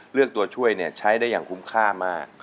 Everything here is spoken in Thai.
ตัวช่วยใช้ได้อย่างคุ้มค่ามาก